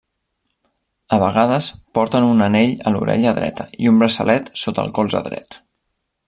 A vegades porten un anell a l'orella dreta i un braçalet sota el colze dret.